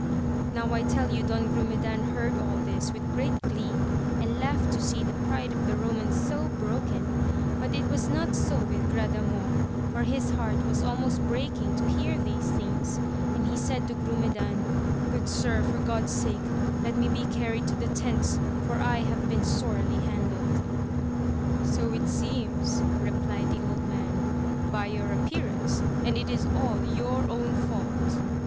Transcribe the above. Now I tell you Don Grumedan heard all this with great glee, and laughed to see the pride of the Eo mans so broken ; but it was not so with Gradamor, for his heart was almost breaking to hear these things, and he said to Grumedan, Good Sir, for God's sake let me be carried to the tents for I have been sorely handled. So it seems, replied the old man, by your appearance, and it is all your own fault